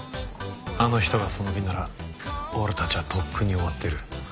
あの人がその気なら俺たちはとっくに終わってる。